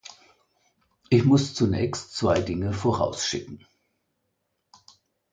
Ich muss zunächst zwei Dinge vorausschicken.